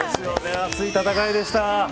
熱い戦いでした。